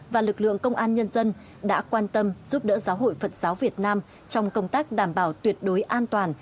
và lực lượng công an nhân dân đã quan tâm giúp đỡ giáo hội phật giáo việt nam trong công tác đảm bảo tuyệt đối an toàn